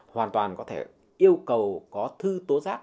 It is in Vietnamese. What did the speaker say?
hoàn toàn có thể yêu cầu có thư tố giác